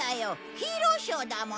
ヒーローショーだもん。